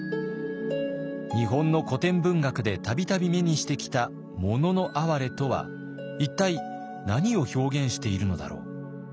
日本の古典文学で度々目にしてきた「もののあはれ」とは一体何を表現しているのだろう？